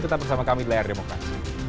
tetap bersama kami di layar demokrasi